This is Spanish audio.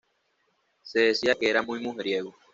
Se decía que era muy mujeriego.